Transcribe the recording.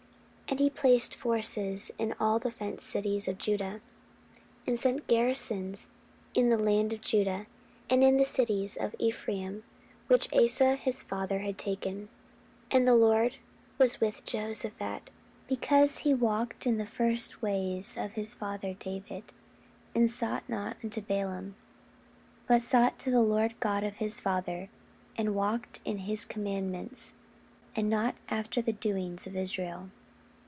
14:017:002 And he placed forces in all the fenced cities of Judah, and set garrisons in the land of Judah, and in the cities of Ephraim, which Asa his father had taken. 14:017:003 And the LORD was with Jehoshaphat, because he walked in the first ways of his father David, and sought not unto Baalim; 14:017:004 But sought to the Lord God of his father, and walked in his commandments, and not after the doings of Israel.